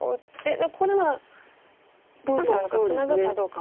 でここでまあどうするかツナぐかどうかも。